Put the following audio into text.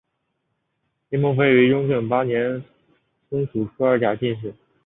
林鹏飞为雍正八年庚戌科二甲进士。